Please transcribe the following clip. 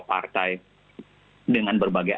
partai dengan berbagai